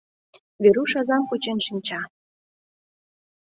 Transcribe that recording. Веруш азам кучен шинча.